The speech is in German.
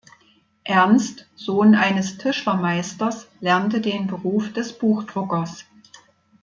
Ernst, Sohn eines Tischlermeisters, lernte den Beruf des Buchdruckers.